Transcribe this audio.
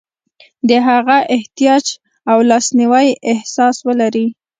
د هغه احتیاج او لاسنیوي احساس ولري.